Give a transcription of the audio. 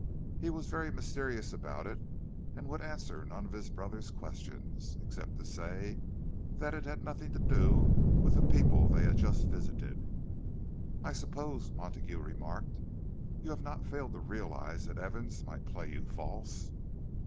He was very mysterious about it, and would answer none of his brother's questions—except to say that it had nothing to do with the people they had just visited. "I suppose," Montague remarked, "you have not failed to realize that Evans might play you false."